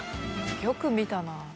よく見たな。